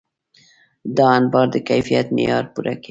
دا انبار د کیفیت معیار پوره کوي.